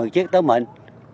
một mươi chiếc tới mình